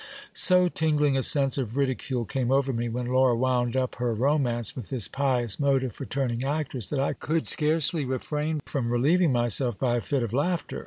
So tingling a sense of ridicule came over me, when Laura wound up her romance with this pious motive for turning actress, that I could scarcely refrain from relieving myself by a fit of laughter.